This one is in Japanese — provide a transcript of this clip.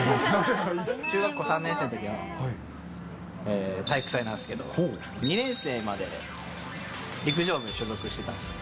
中学校３年生のときに、体育祭なんですけど、２年生まで陸上部に所属してたんですよ。